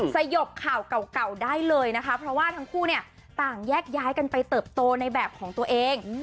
สยบข่าวเก่าได้เลยนะคะเพราะว่าทั้งคู่เนี่ยต่างแยกย้ายกันไปเติบโตในแบบของตัวเอง